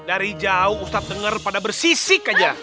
dari jauh ustaz dengar pada bersisik saja